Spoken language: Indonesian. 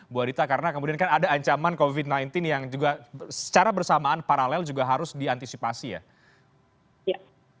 bu adita karena kemudian kan ada ancaman covid sembilan belas yang juga secara bersamaan paralel juga harus diantisipasi ya